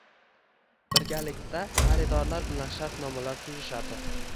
Birgalikda xaridorlar bilan shartnomalar tuzishadi.